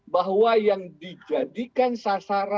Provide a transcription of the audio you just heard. bahwa yang dijadikan sasaran